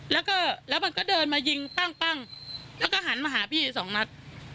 แล้วก็แล้วมันก็เดินมายิงปั้งแล้วก็หันมาหาพี่สองนัด